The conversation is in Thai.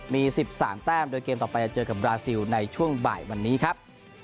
มี๑๓แต้มโดยเกมต่อไปจะเจอกับบราซิลในช่วงบ่ายวันนี้ครับ